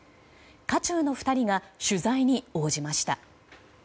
渦中の２人が取材に応じました。